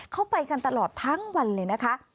เขาไปกันตลอดทั้งวันเลยนะคะ